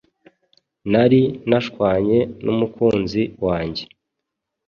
Nari nashwanye numukunzi wanjjye